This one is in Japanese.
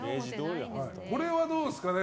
これはどうですかね。